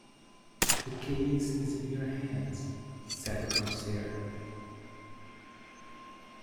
"The case is in your hands," said the Commissaire.